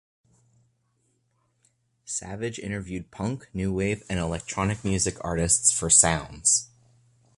Savage interviewed punk, new wave and electronic music artists for "Sounds".